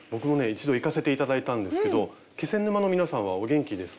一度行かせて頂いたんですけど気仙沼の皆さんはお元気ですか？